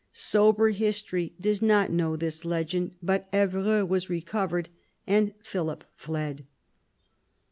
Sober history does not know this legend, but Evreux was recovered, and Philip fled.